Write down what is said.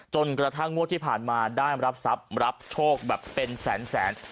จนกระทั่งงวดที่ผ่านมาได้รับทรัพย์รับโชคแบบเป็นแสน